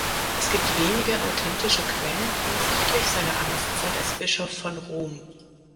Es gibt wenige authentische Quellen hinsichtlich seiner Amtszeit als Bischof von Rom.